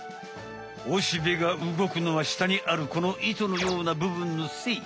オシベがうごくのはしたにあるこの糸のような部分のせい。